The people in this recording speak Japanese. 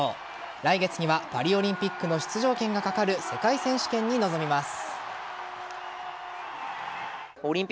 来月には、パリオリンピックの出場権がかかる世界選手権に臨みます。